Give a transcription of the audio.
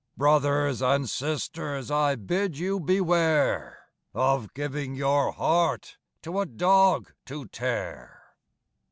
Brothers and sisters, I bid you beware Of giving your heart to a dog to tear.